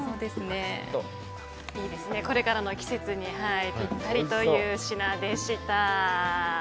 これからの季節にぴったりという品でした。